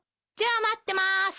じゃあ待ってます。